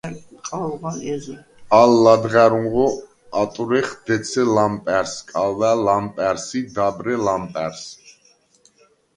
ალ ლადღა̈რუნღო ატვრეხ დეცე ლამპა̈რს, კალვა̈ ლამპა̈რს ი დაბრე ლამპა̈რს.